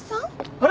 あれ？